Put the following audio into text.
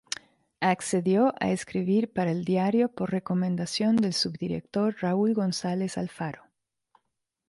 Accedió a escribir para el diario, por recomendación del subdirector Raúl Gonzáles Alfaro.